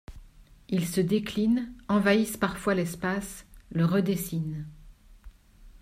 Ils se déclinent, envahissent parfois l'espace, le redessinent.